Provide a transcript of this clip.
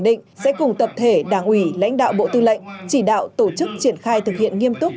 định sẽ cùng tập thể đảng ủy lãnh đạo bộ tư lệnh chỉ đạo tổ chức triển khai thực hiện nghiêm túc